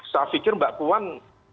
saya pikir mbak puan